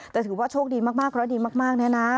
แต่ถือว่าโชคดีมากแล้วดีมากนี่นะ